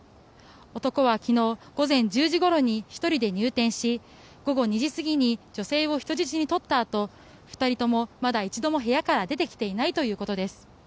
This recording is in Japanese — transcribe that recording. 男は昨日午前１０時ごろに１人で入店し午後２時過ぎに女性を人質に取ったあと２人とも一度も部屋から出てきていないということです。